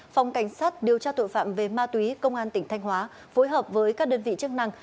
phòng cảnh sát điều tra tội phạm về ma túy công an tỉnh thanh hóa phối hợp với các đơn vị chức năng